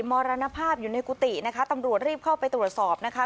มรณภาพอยู่ในกุฏินะคะตำรวจรีบเข้าไปตรวจสอบนะคะ